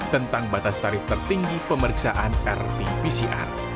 tentang batas tarif tertinggi pemeriksaan rt pcr